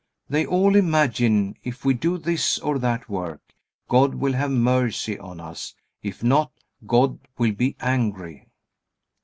They all imagine, if we do this or that work, God will have mercy on us; if not, God will be angry.